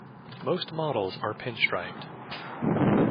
Most models are pinstriped.